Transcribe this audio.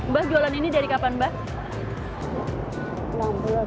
mbak jualan ini dari kapan mbak